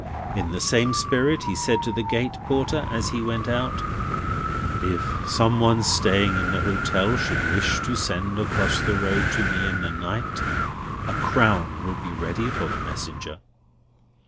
In the same spirit he said to the gate porter as he went out, "If some one staying in the hotel should wish to send across the road to me in the night, a crown will be ready for the messenger."